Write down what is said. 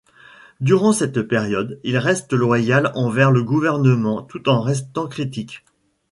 Durant cette période, il reste loyal envers le gouvernement, tout en restant critique.